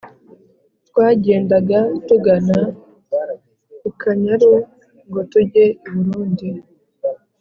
twagendaga tugana kukanyaru ngo tujye i burundi